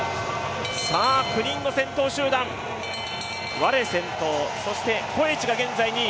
９人の先頭集団、ワレ先頭、コエチが現在２位。